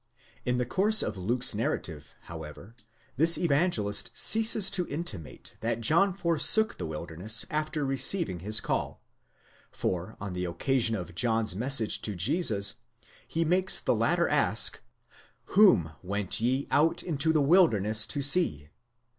5 In the course of Luke's narrative, however, this evangelist ceases to intimate that John forsook the wilderness after receiving his call, for on the occasion of John's message to Jesus, he makes the latter ask , Whom went ye out into the wilderness to see?